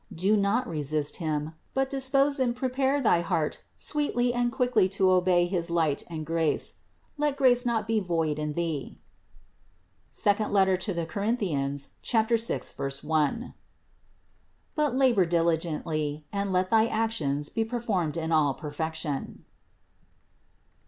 Do not resist Him, but dispose and prepare thy heart sweetly and quickly to obey his light and grace. Let grace not be void in thee (II Cor. 6, 1), but labor diligently and let thy actions be performed in all perfection.